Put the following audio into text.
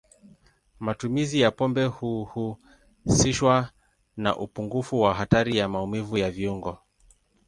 Matumizi ya pombe huhusishwa na upungufu wa hatari ya maumivu ya viungo.